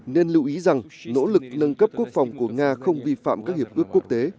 nên lưu ý rằng nỗ lực nâng cấp quốc phòng của nga không vi phạm các hiệp ước quốc tế